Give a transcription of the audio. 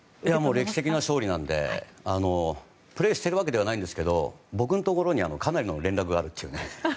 歴史的な勝利なのでプレーしてるわけではないんですけど僕のところにかなりの連絡があるというね。